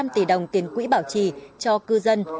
một trăm linh tỷ đồng tiền quỹ bảo trì cho cư dân